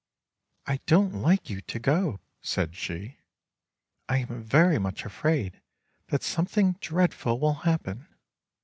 "I don't like you to go," said she; *'I am very much afraid that something dreadful will happen.